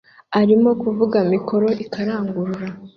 arimo kuvuga mikoro ikararangurura